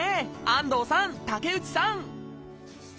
安藤さん竹内さん！